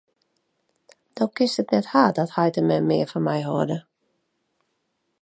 Do kinst it net hawwe dat heit en mem mear fan my hâlde.